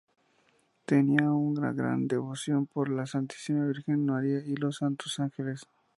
Tenía una gran devoción por la Santísima Virgen María y los Santos Ángeles.